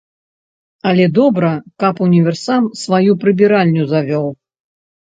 Але добра, каб універсам сваю прыбіральню завёў.